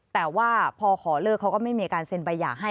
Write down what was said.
แต่ว่าพอขอเลิกเขาก็ไม่มีการเซ็นใบหย่าให้